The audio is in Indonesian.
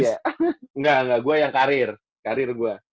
engga engga gue yang karir karir gue